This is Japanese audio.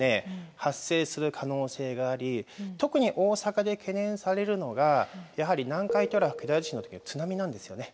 発生する可能性があり特に大阪で懸念されるのがやはり南海トラフ巨大地震の時の津波なんですよね。